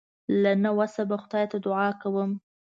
له نه وسه به خدای ته دعا کوم.